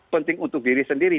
penting untuk diri sendiri